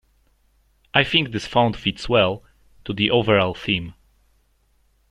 I think this font fits well to the overall theme.